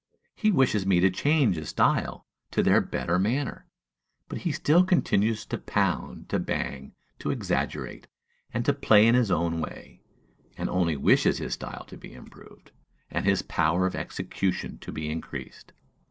He wishes me to change his style to their better manner; but he still continues to pound, to bang, to exaggerate, and to play in his own way, and only wishes his style to be improved, and his power of execution to be increased.